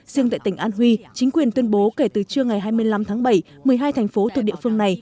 dương tại tỉnh an huy chính quyền tuyên bố kể từ trưa ngày hai mươi năm tháng bảy một mươi hai thành phố thuộc địa phương này